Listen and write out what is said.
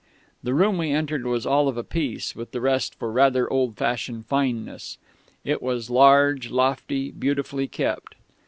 "The room we entered was all of a piece with the rest for rather old fashioned fineness. It was large, lofty, beautifully kept.